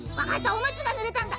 おむつがぬれたんだ。